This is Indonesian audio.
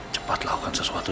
cepat lakukan sesuatu